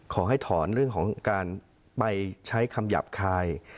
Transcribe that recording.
ขอให้ถอนเรื่องของการไปใช้คำหยาบคาย